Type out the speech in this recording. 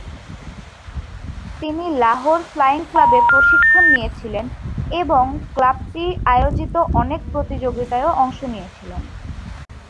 তিনি লাহোর ফ্লাইং ক্লাবে প্রশিক্ষণ নিয়েছিলেন এবং ক্লাবটি আয়োজিত অনেক প্রতিযোগিতায়ও অংশ নিয়েছিলেন।